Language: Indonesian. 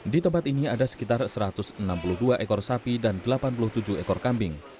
di tempat ini ada sekitar satu ratus enam puluh dua ekor sapi dan delapan puluh tujuh ekor kambing